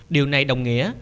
điều này đồng nghĩa